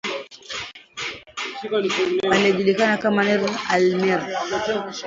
aliyejulikana kama Nimr alNimr